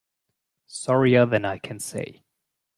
Sorrier than I can say.